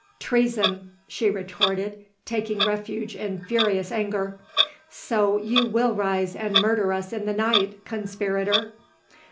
"Treason," she retorted taking refuge in furious anger. "So you will rise and murder us in the night, conspirator!"